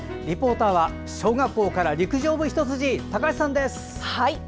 リポーターは小学校から陸上部一筋、高橋さんです！